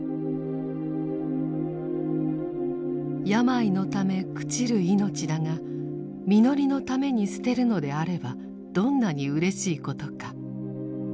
病のため朽ちる命だがみのりのために捨てるのであればどんなにうれしいことか。